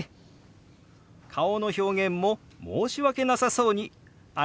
顔の表現も申し訳なさそうに「ありがとうございます」。